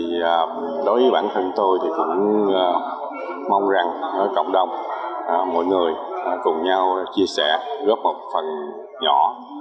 thì đối với bản thân tôi thì cũng mong rằng cộng đồng mỗi người cùng nhau chia sẻ góp một phần nhỏ